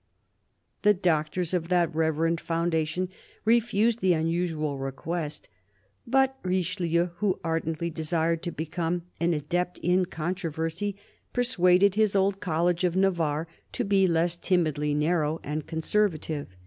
The doctors of that reverend foundation refused the unusual request; but Richeheu, who ardently desired to become an adept in controversy, persuaded his old College of Navarre to be less timidly narrow and conservative.